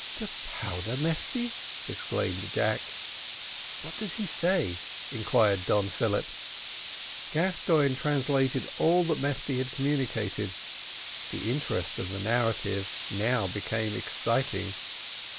"The powder, Mesty?" exclaimed Jack. "What does he say?" inquired Don Philip. Gascoigne translated all that Mesty had communicated. The interest of the narrative now became exciting.